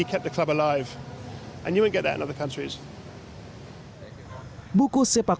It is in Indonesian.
ketika mereka berjuang